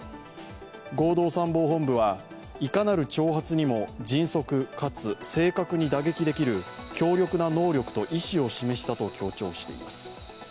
合同参謀本部はいかなる挑発にも迅速かつ正確に打撃できる強力な能力と意思を示したと強調しています。